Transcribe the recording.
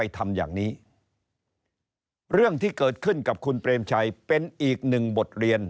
ที่เกิดขึ้นกับคุณเปรมชัยเป็นอีกหนึ่งบทเรียน